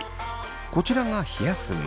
こちらが冷やす前。